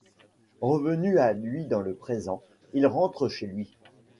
Revenu à lui dans le présent, il rentre chez lui.